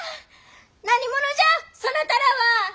何者じゃそなたらは。